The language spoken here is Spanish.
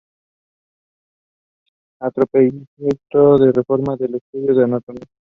Anteproyecto de reforma del Estatuto de Autonomía.